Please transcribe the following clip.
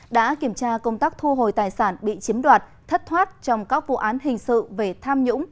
đã kiểm tra công tác thu hồi tài sản bị chiếm đoạt thất thoát trong các vụ án hình sự về tham nhũng